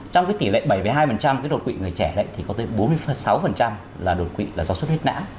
trong cái tỷ lệ bảy hai cái đột quỵ người trẻ thì có tới bốn mươi sáu là đột quỵ là do suất huyết nã